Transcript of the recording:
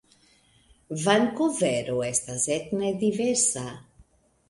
Vankuvero estas etne diversa.